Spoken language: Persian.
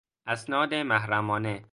اسناد محرمانه